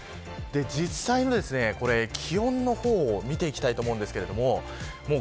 実際の気温の方を見ていきたいと思います。